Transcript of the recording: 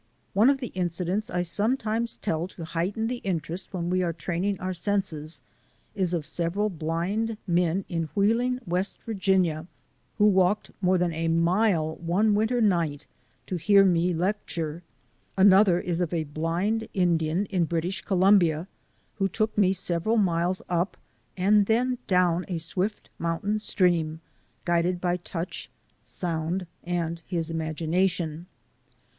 One of the incidents I sometimes tell to heighten the interest when we are training our senses is of several blind men in Wheeling, W. Va., who walked more than a mile one winter night to hear me CHILDREN OF MY TRAIL SCHOOL 165 lecture. Another is of a blind Indian in British Columbia who took me several miles up and then down a swift mountain stream, guided by touch, sound, and his imagination.